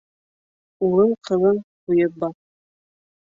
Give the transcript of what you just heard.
Улың-ҡыҙың ҡуйып бар.